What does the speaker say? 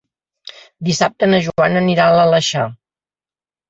Dissabte na Joana anirà a l'Aleixar.